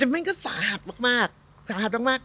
มันก็สาหัสมาก